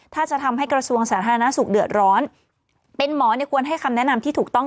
ถ้าจะทำให้กระทรวงสาธารณสุขเดือดร้อนเป็นหมอเนี่ยควรให้คำแนะนำที่ถูกต้อง